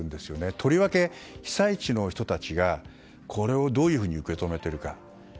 とりわけ被災地の人たちがこれをどういうふうに受け止めているか。